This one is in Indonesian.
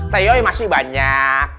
teoy masih banyak